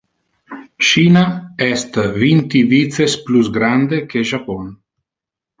China es vinti vices plus grande que Japon.